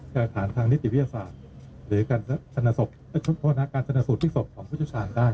แค่ฐานทางนิติวิทยาศาสตร์หรือการสนสูตรพิษภพของผู้ชุดศาลได้